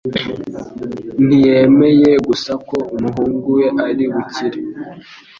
Ntiyemeye gusa ko umuhungu we ari bukire,